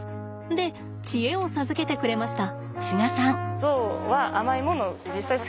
で知恵を授けてくれました。